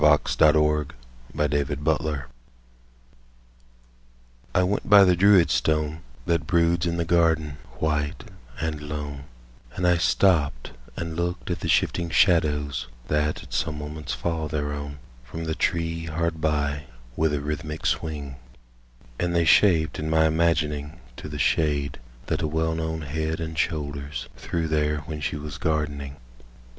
THE SHADOW ON THE STONE I WENT by the Druid stone That broods in the garden white and lone, And I stopped and looked at the shifting shadows That at some moments fall thereon From the tree hard by with a rhythmic swing, And they shaped in my imagining To the shade that a well known head and shoulders Threw there when she was gardening.